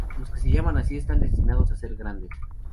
Los que se llaman así están destinados a ser grandes.